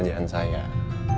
untuk mempermudah kerjaan saya